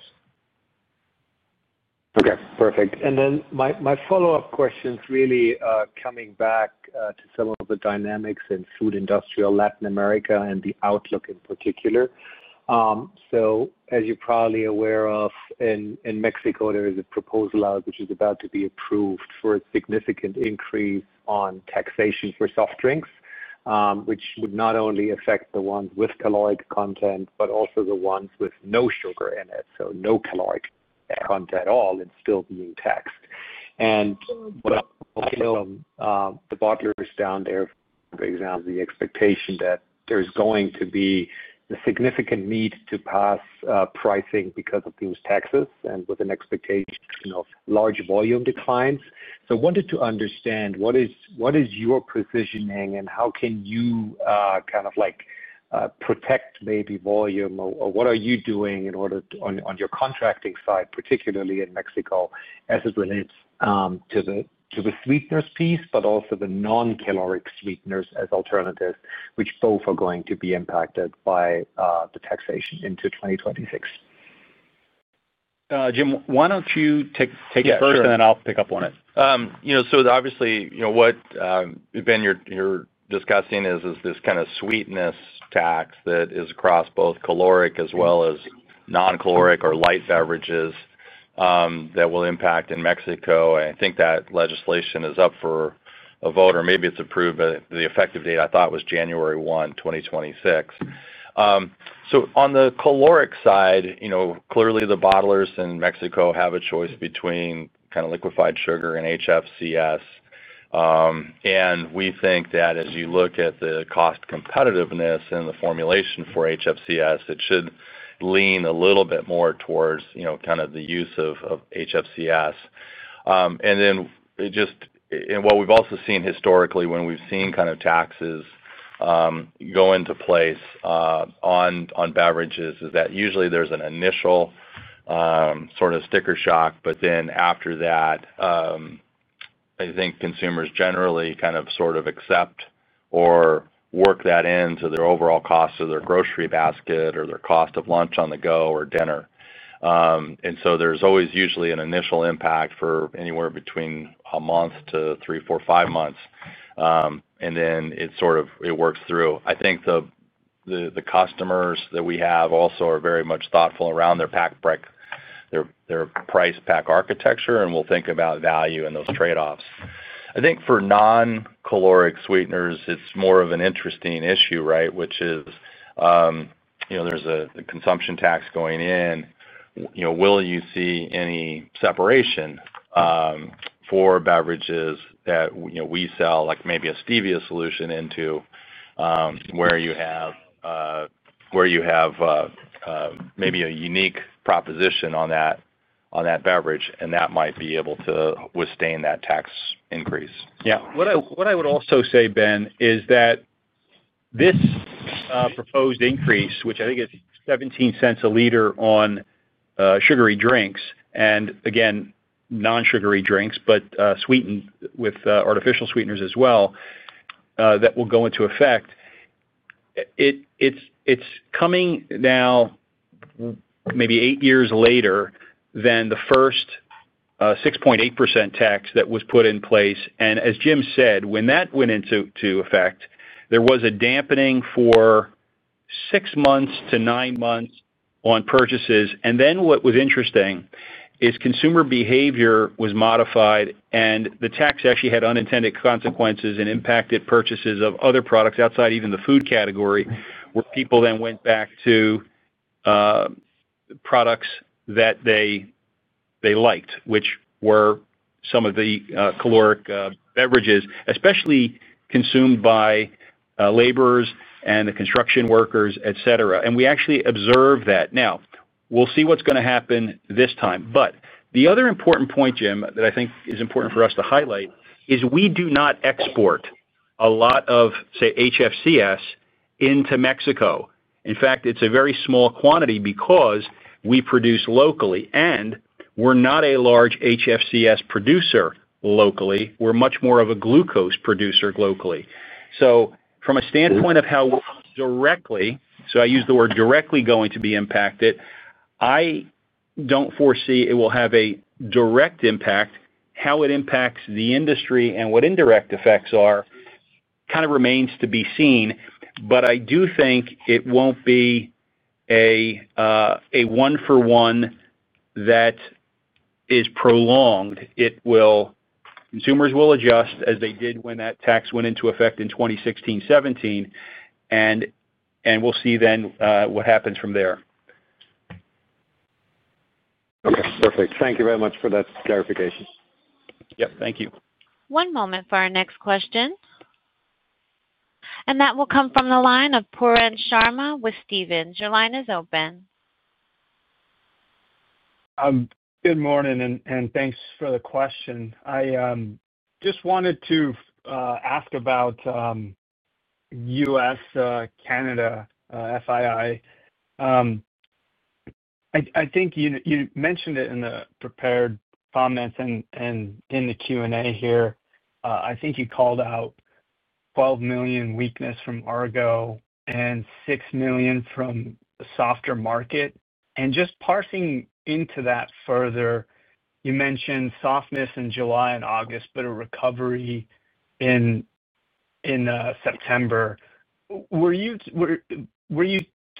Okay. Perfect. And then my follow-up question is really coming back to some of the dynamics in food industrial Latin America and the outlook in particular. So as you're probably aware of in Mexico, there is a proposal out which is about to be approved for a significant increase on taxation for soft drinks, which would not only affect the ones with caloric content but also the ones with no sugar in it, so no caloric content at all, and still being taxed. And what I know from the bottlers down there, for example, the expectation that there's going to be a significant need to pass pricing because of these taxes and with an expectation of large volume declines. So I wanted to understand what is your positioning and how can you kind of protect maybe volume, or what are you doing on your contracting side, particularly in Mexico, as it relates to the Sweeteners piece, but also the non-caloric Sweeteners as alternatives, which both are going to be impacted by the taxation into 2026? Jim, why don't you take it first, and then I'll pick up on it. So obviously, what, Ben, you're discussing is this kind of sweetness tax that is across both caloric as well as non-caloric or light beverages. That will impact in Mexico. I think that legislation is up for a vote, or maybe it's approved, but the effective date, I thought, was January 1, 2026. So on the caloric side, clearly, the bottlers in Mexico have a choice between kind of liquefied sugar and HFCS. We think that as you look at the cost competitiveness and the formulation for HFCS, it should lean a little bit more towards kind of the use of HFCS. Just in what we've also seen historically, when we've seen kind of taxes go into place on beverages, usually there's an initial sort of sticker shock. But then after that, I think consumers generally kind of sort of accept or work that into their overall cost of their grocery basket or their cost of lunch on the go or dinner. So there's always usually an initial impact for anywhere between a month to three, four, five months. Then it sort of works through. I think the customers that we have also are very much thoughtful around their price-pack architecture and will think about value and those trade-offs. I think for non-caloric Sweeteners, it's more of an interesting issue, right, which is there's a consumption tax going in. Will you see any separation for beverages that we sell, like maybe a Stevia solution, into where you have maybe a unique proposition on that beverage, and that might be able to withstand that tax increase? Yeah. What I would also say, Ben, is that this proposed increase, which I think is $0.17 a liter on sugary drinks, and again, non-sugary drinks, but sweetened with artificial Sweeteners as well. That will go into effect, it's coming now maybe eight years later than the first 6.8% tax that was put in place. As Jim said, when that went into effect, there was a dampening for six months to nine months on purchases. Then what was interesting is consumer behavior was modified, and the tax actually had unintended consequences and impacted purchases of other products outside even the food category, where people then went back to products that they liked, which were some of the caloric beverages, especially consumed by laborers and the construction workers, etc. We actually observed that. Now, we'll see what's going to happen this time. The other important point, Jim, that I think is important for us to highlight is we do not export a lot of, say, HFCS into Mexico. In fact, it's a very small quantity because we produce locally, and we're not a large HFCS producer locally. We're much more of a glucose producer locally. So from a standpoint of how we're directly—so I use the word directly—going to be impacted. I don't foresee it will have a direct impact. How it impacts the industry and what indirect effects are kind of remains to be seen. But I do think it won't be a one-for-one that is prolonged. Consumers will adjust as they did when that tax went into effect in 2016, 2017. And we'll see then what happens from there. Okay. Perfect. Thank you very much for that clarification. Yep. Thank you. One moment for our next question. And that will come from the line of Pooran Sharma with Stephens. Your line is open. Good morning, and thanks for the question. I just wanted to ask about U.S., Canada, FII. I think you mentioned it in the prepared comments and in the Q&A here. I think you called out $12 million weakness from Argo and $6 million from the softer market. And just parsing into that further, you mentioned softness in July and August, but a recovery in September. Were you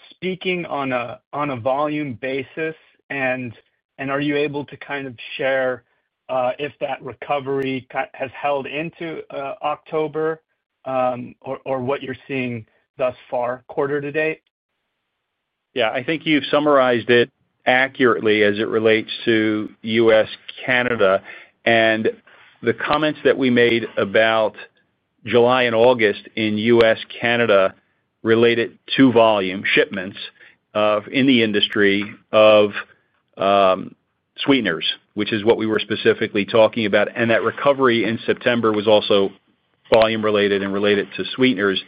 speaking on a volume basis, and are you able to kind of share if that recovery has held into October or what you're seeing thus far, quarter to date? Yeah. I think you've summarized it accurately as it relates to U.S., Canada. And the comments that we made about July and August in U.S., Canada related to volume shipments in the industry of Sweeteners, which is what we were specifically talking about. And that recovery in September was also volume-related and related to Sweeteners.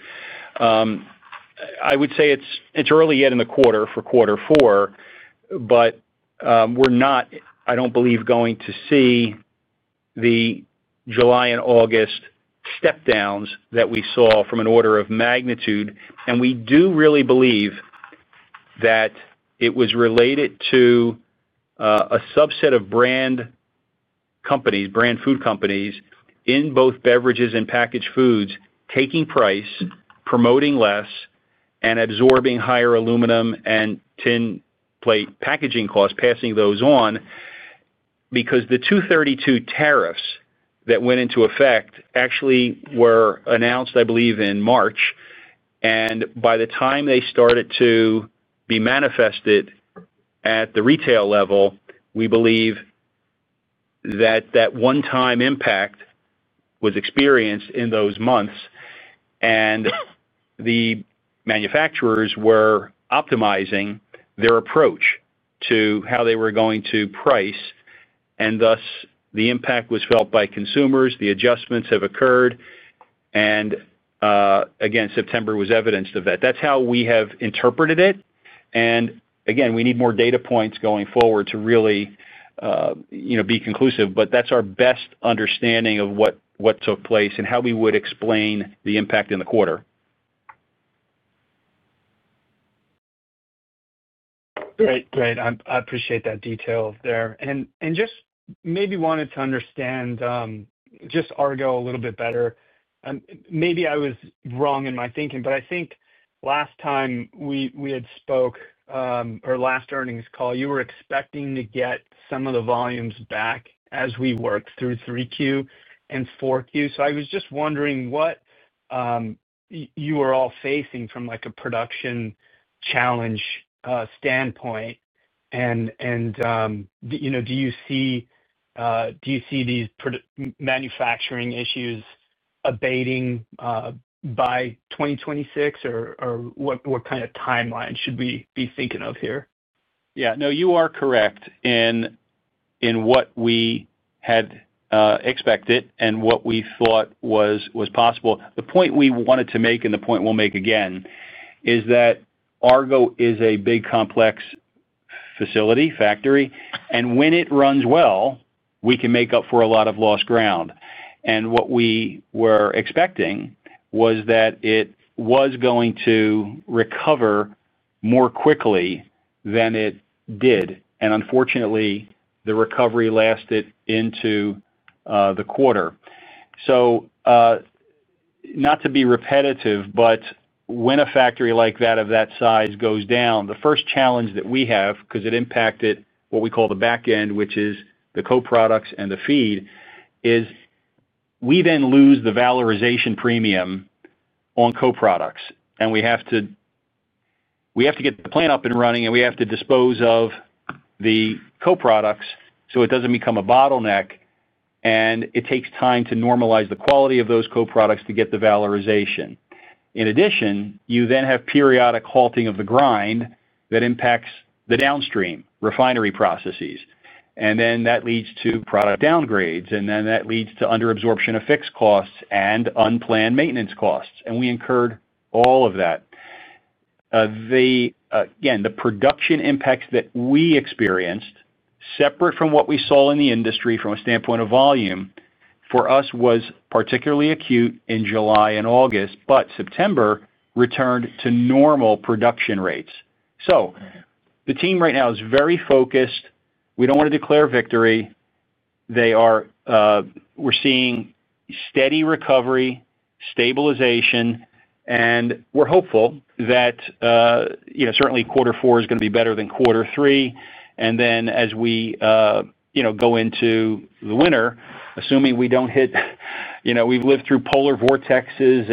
I would say it's early yet in the quarter for quarter four, but we're not, I don't believe, going to see the July and August step-downs that we saw from an order of magnitude. And we do really believe that it was related to a subset of branded food companies in both beverages and packaged foods taking price, promoting less, and absorbing higher aluminum and tin plate packaging costs, passing those on. Because the 232 tariffs that went into effect actually were announced, I believe, in March. And by the time they started to be manifested at the retail level, we believe that that one-time impact was experienced in those months. And the manufacturers were optimizing their approach to how they were going to price. And thus, the impact was felt by consumers. The adjustments have occurred. And again, September was evidenced of that. That's how we have interpreted it. And again, we need more data points going forward to really be conclusive. But that's our best understanding of what took place and how we would explain the impact in the quarter. Great. Great. I appreciate that detail there. And just maybe wanted to understand just Argo a little bit better. Maybe I was wrong in my thinking, but I think last time we had spoke or last earnings call, you were expecting to get some of the volumes back as we worked through 3Q and 4Q. So I was just wondering what you were all facing from a production challenge standpoint. And do you see these manufacturing issues abating by 2026, or what kind of timeline should we be thinking of here? Yeah. No, you are correct in what we had expected and what we thought was possible. The point we wanted to make and the point we'll make again is that Argo is a big complex facility, factory. And when it runs well, we can make up for a lot of lost ground. And what we were expecting was that it was going to recover more quickly than it did. And unfortunately, the recovery lasted into the quarter. So not to be repetitive, but when a factory like that of that size goes down, the first challenge that we have, because it impacted what we call the back end, which is the co-products and the feed, is we then lose the valorization premium on co-products. And we have to get the plant up and running, and we have to dispose of the co-products so it doesn't become a bottleneck. And it takes time to normalize the quality of those co-products to get the valorization. In addition, you then have periodic halting of the grind that impacts the downstream refinery processes. And then that leads to product downgrades, and then that leads to underabsorption of fixed costs and unplanned maintenance costs. And we incurred all of that. Again, the production impacts that we experienced, separate from what we saw in the industry from a standpoint of volume, for us was particularly acute in July and August, but September returned to normal production rates. So the team right now is very focused. We don't want to declare victory. We're seeing steady recovery, stabilization, and we're hopeful that certainly quarter four is going to be better than quarter three. And then as we go into the winter, assuming we don't hit. We've lived through polar vortexes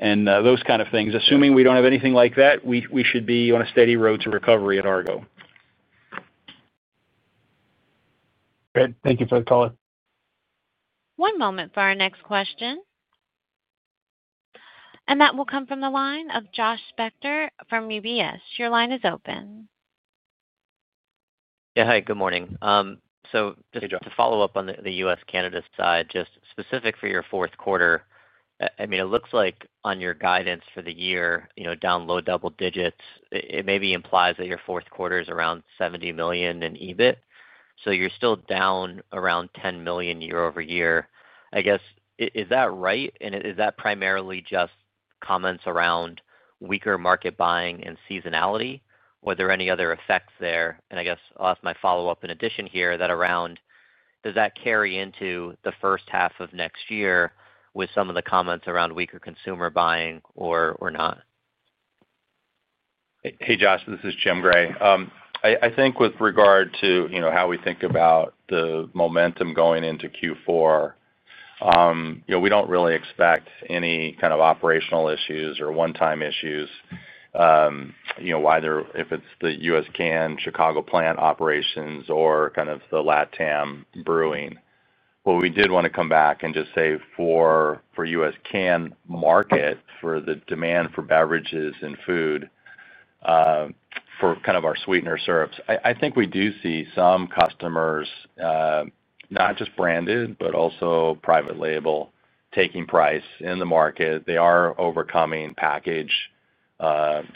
and those kind of things. Assuming we don't have anything like that, we should be on a steady road to recovery at Argo. Great. Thank you for the call. One moment for our next question. And that will come from the line of Josh Spector from UBS. Your line is open. Yeah. Hi. Good morning. So just to follow up on the U.S., Canada side, just specific for your fourth quarter, I mean, it looks like on your guidance for the year, down low double digits, it maybe implies that your fourth quarter is around $70 million in EBIT. So you're still down around $10 million year-over-year. I guess, is that right? And is that primarily just comments around weaker market buying and seasonality? Were there any other effects there? And I guess I'll ask my follow-up in addition here that around does that carry into the first half of next year with some of the comments around weaker consumer buying or not? Hey, Josh. This is Jim Gray. I think with regard to how we think about the momentum going into Q4. We don't really expect any kind of operational issues or one-time issues. Whether if it's the U.S. Can, Chicago plant operations, or kind of the LATAM brewing. But we did want to come back and just say for U.S. Can market, for the demand for beverages and food. For kind of our sweetener syrups, I think we do see some customers. Not just branded, but also private label, taking price in the market. They are overcoming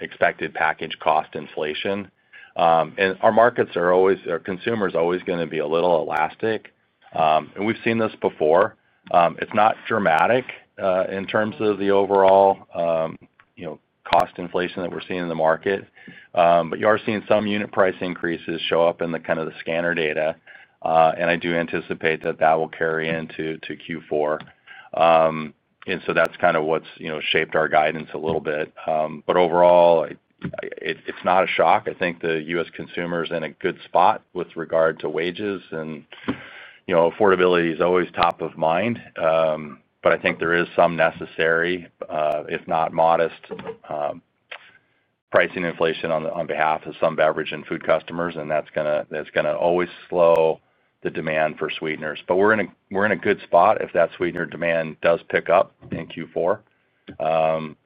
expected package cost inflation. And our consumer is always going to be a little elastic. And we've seen this before. It's not dramatic in terms of the overall. Cost inflation that we're seeing in the market. But you are seeing some unit price increases show up in kind of the scanner data. And I do anticipate that that will carry into Q4. And so that's kind of what's shaped our guidance a little bit. But overall. It's not a shock. I think the U.S. consumer is in a good spot with regard to wages, and affordability is always top of mind. But I think there is some necessary, if not modest. Pricing inflation on behalf of some beverage and food customers, and that's going to always slow the demand for Sweeteners. But we're in a good spot if that sweetener demand does pick up in Q4.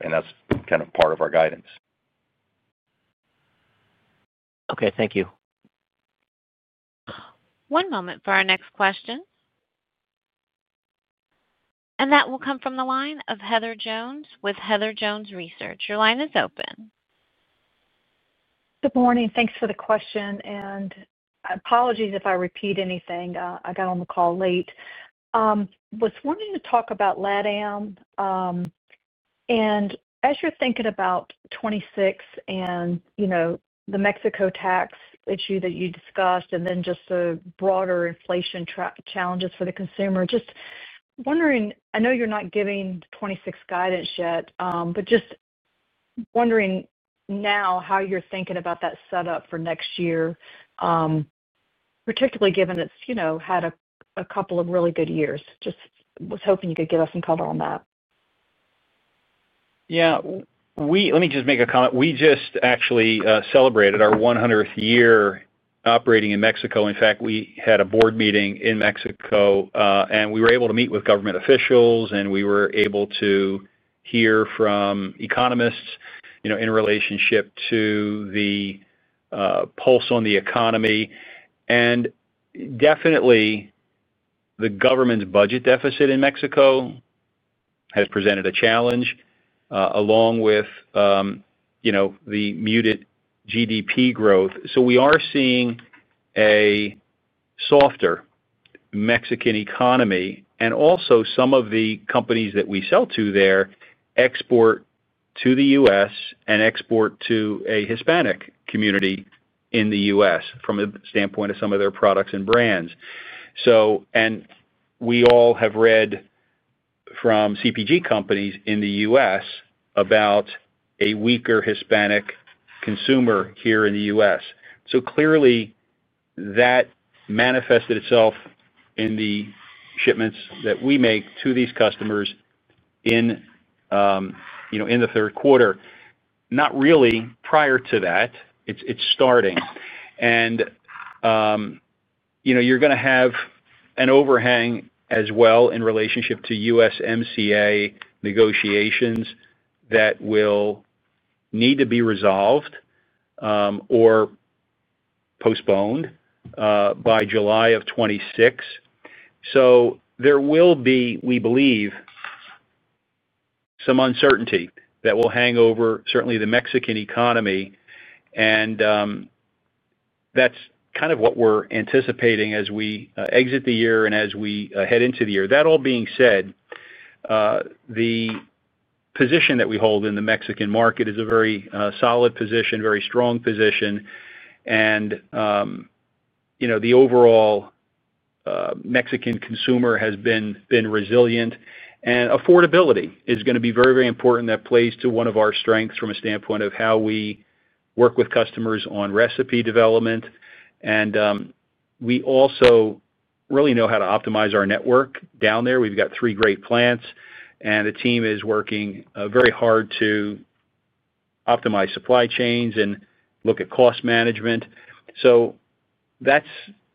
And that's kind of part of our guidance. Okay. Thank you. One moment for our next question. And that will come from the line of Heather Jones with Heather Jones Research. Your line is open. Good morning. Thanks for the question. And apologies if I repeat anything. I got on the call late. I was wanting to talk about LATAM. And as you're thinking about 2026 and. The Mexico tax issue that you discussed, and then just the broader inflation challenges for the consumer, just wondering, I know you're not giving 2026 guidance yet, but just. Wondering now how you're thinking about that setup for next year, particularly given it's had a couple of really good years. Just was hoping you could give us some color on that. Yeah. Let me just make a comment. We just actually celebrated our 100th year operating in Mexico. In fact, we had a board meeting in Mexico, and we were able to meet with government officials, and we were able to hear from economists in relationship to the pulse on the economy. And definitely, the government's budget deficit in Mexico has presented a challenge. Along with the muted GDP growth. So we are seeing a softer Mexican economy, and also some of the companies that we sell to there export to the U.S. and export to a Hispanic community in the U.S. from the standpoint of some of their products and brands. And we all have read from CPG companies in the U.S. about a weaker Hispanic consumer here in the U.S. So clearly. That manifested itself in the shipments that we make to these customers in the third quarter. Not really prior to that. It's starting, and you're going to have an overhang as well in relationship to U.S.MCA negotiations that will need to be resolved or postponed by July of 2026. So there will be, we believe, some uncertainty that will hang over certainly the Mexican economy. That's kind of what we're anticipating as we exit the year and as we head into the year. That all being said, the position that we hold in the Mexican market is a very solid position, very strong position. The overall Mexican consumer has been resilient. Affordability is going to be very, very important. That plays to one of our strengths from a standpoint of how we work with customers on recipe development. We also really know how to optimize our network down there. We've got three great plants, and the team is working very hard to optimize supply chains and look at cost management. So that's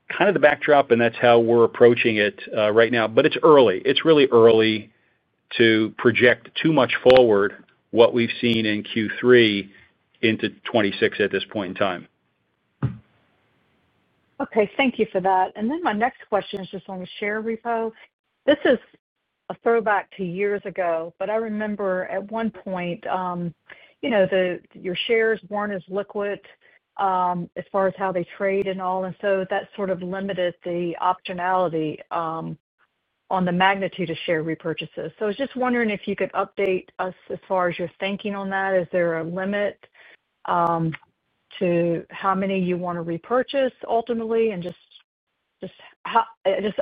kind of the backdrop, and that's how we're approaching it right now. But it's early. It's really early to project too much forward what we've seen in Q3 into 2026 at this point in time. Okay. Thank you for that. My next question is just on the share repurchase. This is a throwback to years ago, but I remember at one point your shares weren't as liquid as far as how they trade and all. That sort of limited the optionality on the magnitude of share repurchases. I was just wondering if you could update us as far as your thinking on that. Is there a limit to how many you want to repurchase ultimately? Just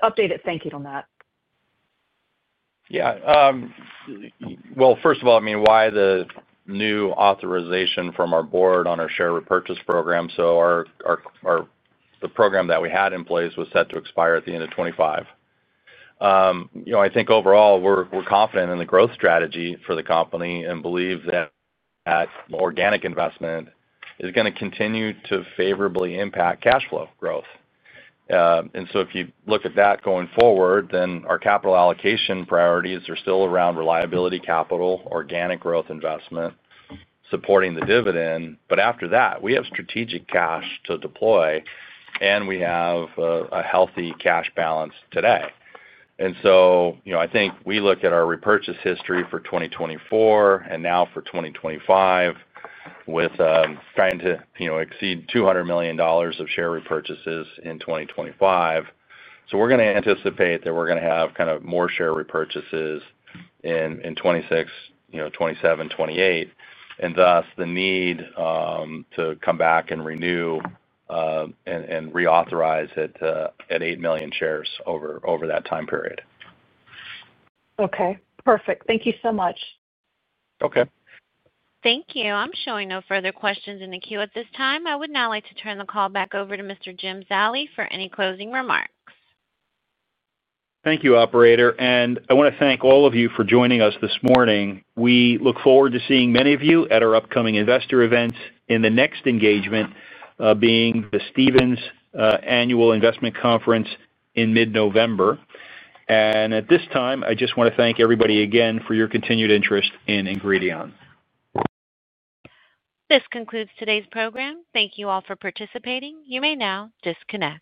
update your thinking on that. Yeah. Well, first of all, I mean, why the new authorization from our board on our share repurchase program? The program that we had in place was set to expire at the end of 2025. I think overall, we're confident in the growth strategy for the company and believe that organic investment is going to continue to favorably impact cash flow growth. If you look at that going forward, then our capital allocation priorities are still around reliability capital, organic growth investment, supporting the dividend. After that, we have strategic cash to deploy, and we have a healthy cash balance today. I think we look at our repurchase history for 2024 and now for 2025 with trying to exceed $200 million of share repurchases in 2025. We're going to anticipate that we're going to have kind of more share repurchases in 2026, 2027, 2028, and thus the need to come back and renew and reauthorize it at eight million shares over that time period. Okay. Perfect. Thank you so much. Okay. Thank you. I'm showing no further questions in the queue at this time. I would now like to turn the call back over to Mr. Jim Zallie for any closing remarks. Thank you, Operator. And I want to thank all of you for joining us this morning. We look forward to seeing many of you at our upcoming investor events in the next engagement. Being the Stephens Annual Investment Conference in mid-November. And at this time, I just want to thank everybody again for your continued interest in Ingredion. This concludes today's program. Thank you all for participating. You may now disconnect.